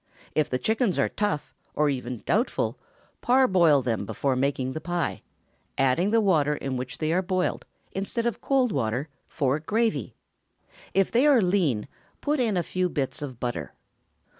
If the chickens are tough, or even doubtful, parboil them before making the pie, adding the water in which they were boiled, instead of cold water, for gravy. If they are lean, put in a few bits of butter.